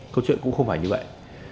câu chuyện cũng không phải như vậy